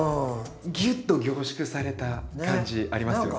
ギュッと凝縮された感じありますよね。